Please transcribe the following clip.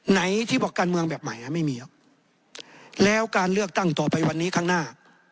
ไหนที่บอกการเมืองแบบใหม่ไม่มีหรอกแล้วการเลือกตั้งต่อไปวันนี้ข้างหน้า